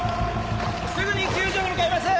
すぐに救助に向かいます！